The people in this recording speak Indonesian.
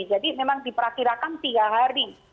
jadi memang diperkirakan tiga hari